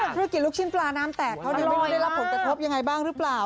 ธุรกิจลูกชิ้นปลาน้ำแตกเขาไม่รู้ว่าได้รับผลกระทบยังไงบ้างหรือเปล่า